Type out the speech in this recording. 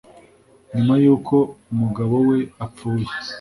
nyuma yuko umugabo we apfuye